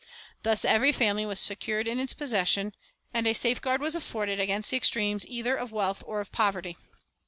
Thus every family was secured in its possession, and a safeguard was afforded against the extremes either of wealth or of poverty.